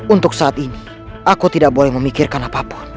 untuk saat ini aku tidak boleh memikirkan apapun